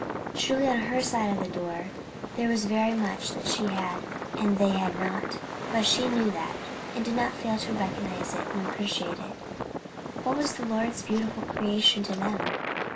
Truly on her side of the door there was very much that she had and they had not; she knew that, and did not fail to recognize it and appreciate it. What was the Lord's beautiful creation to them?